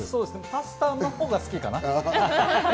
パスタのほうが好きかな。